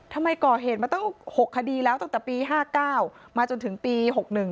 ทำไมก่อเหตุมาตั้ง๖คดีแล้วตั้งแต่ปี๕๙มาจนถึงปี๖๑